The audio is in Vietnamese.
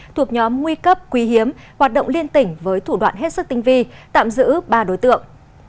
thuộc nhóm nguy cấp quý hiếm hoạt động liên tỉnh với thủ đoạn hết sức tinh vi tạm giữ ba đối tượng